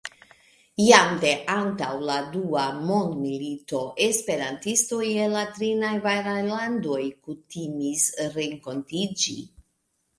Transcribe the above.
Jam de antaŭ la dua mondmilito, esperantistoj el la tri najbaraj landoj kutimis renkontiĝi.